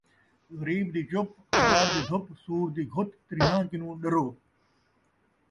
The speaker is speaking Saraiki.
غریب دی چُپ ، ہاڑ دی دھپ، سوّر دی گھت ، تریہاں کنوں ݙرو